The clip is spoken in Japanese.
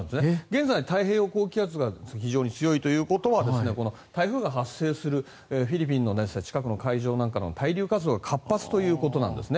現在、太平洋高気圧が非常に強いということは台風が発生するフィリピンの近くの海上なんかの対流活動が活発ということなんです。